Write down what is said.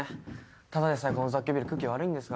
ただでさえこの雑居ビル空気悪いんですから。